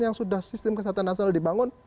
yang sudah sistem kesehatan nasional dibangun